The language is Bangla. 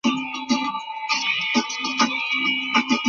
তিনি তার কাজকে যে কী ভালবাসতেন!